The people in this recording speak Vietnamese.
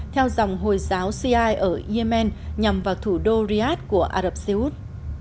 theo dòng hồi giáo cia ở yemen nhằm vào thủ đô riyadh của ả rập xê út